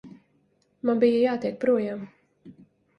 Man bija jātiek projām.